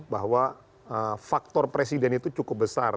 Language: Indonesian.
bahwa faktor presiden itu cukup besar